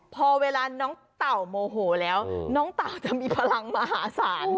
พอเวลาน้องเต่าโมโหแล้วน้องเต่าจะมีพลังมหาศาล